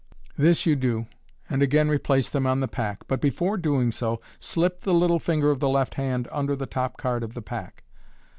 This you do, and again replace them on the pack. MODERN MAGIC 9$ but before doing so, slip the little finger of the left hand under thi top card of the pack.